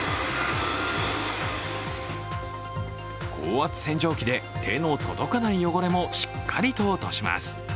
高圧洗浄機で手の届かない汚れもしっかりと落とします。